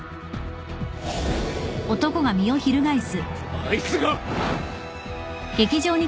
あいつが！